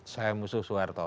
saya musuh suharto